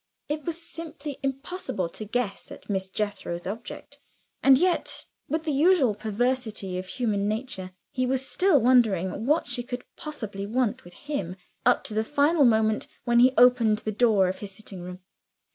It was simply impossible to guess at Miss Jethro's object: and yet, with the usual perversity of human nature, he was still wondering what she could possibly want with him, up to the final moment when he opened the door of his sitting room.